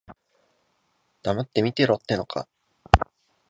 黙って見てろってのか。